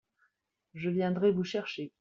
Je viendrai vous chercher.